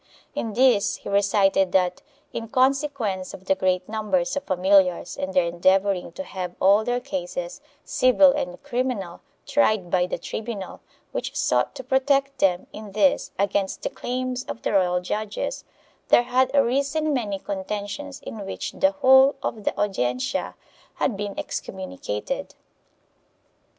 In this he recited that, in con sequence of the great numbers of familiars and their endeavoring to have all their cases, civil and criminal, tried by the tribunal, which sought to protect them in this against the claims of the royal judges, there had arisen many contentions in which the whole of the Audiencia had been excommunicated.